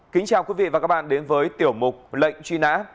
kính chào quý vị và các bạn đến với tiểu mục lệnh truy nã